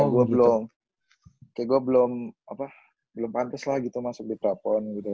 gue belum kayak gue belum apa belum pantes lah gitu masuk di prapon gitu